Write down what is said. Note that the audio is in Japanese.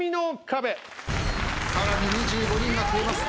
さらに２５人が増えます。